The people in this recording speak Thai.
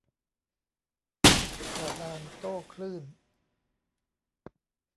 กระดานโต้คลื่น